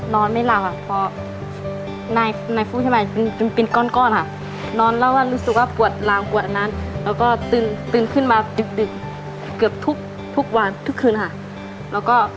นอนไม่หลังเพราะนายฟูใช่ไหมเป็นก้อนค่ะนอนแล้วรู้สึกว่าปวดหลังปวดนั้นแล้วก็ตื่นขึ้นมาดึกเกือบทุกวันทุกคืนค่ะ